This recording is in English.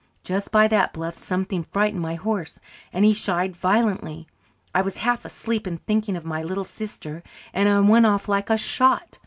Just by that bluff something frightened my horse, and he shied violently. I was half asleep and thinking of my little sister, and I went off like a shot.